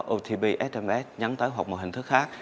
otp sms nhắn tới hoặc một hình thức khác